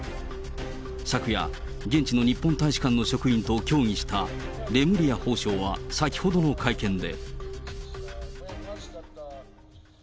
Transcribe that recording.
昨夜、現地の日本大使館の職員と協議したレムリヤ法相は先ほどの会見で。